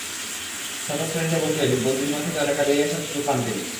স্নাতক শ্রেণিতে ভর্তি হয়ে বন্দিজীবন থেকে অনেকটা বেরিয়ে আসার সুযোগ পান তিনি।